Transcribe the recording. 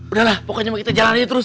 udah lah pokoknya kita jalan aja terus